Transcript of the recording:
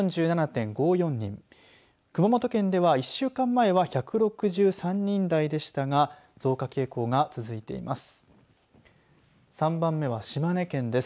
熊本県では１週間前は１６３人台でしたが増加傾向が続いています。